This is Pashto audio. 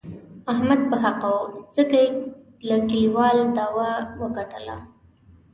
احمد په حقه و، ځکه یې له کلیوالو داوه و ګټله.